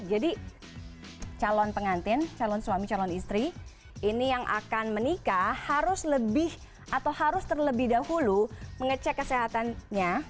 jadi calon pengantin calon suami calon istri ini yang akan menikah harus lebih atau harus terlebih dahulu mengecek kesehatannya